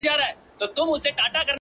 • کشپ نه لري داهسي کمالونه ,